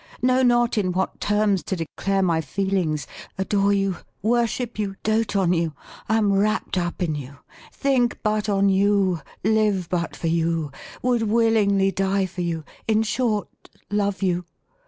Know not in what terms to declare my feelings. Adore you, worship you, dote on you, am wrapt up in you ! think but on you, live but for you, would willingly die for you !— in short, love you